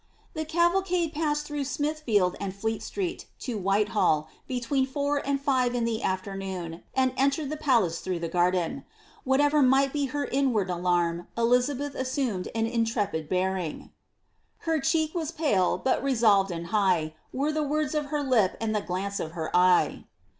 The cavalcade passed through Smithfield and Fleet Street to Whita halK between four and five in the afternoon, and entered the palaee through the garden. Whatever might be her inward alarm, Elizabeth assumed an intrepid bearing. H<*r cheek Mras pale, but retolved and hi^ Were the wordi of her lip and the glance of her eye.